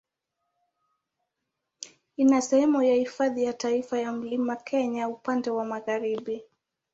Ina sehemu ya Hifadhi ya Taifa ya Mlima Kenya upande wa magharibi.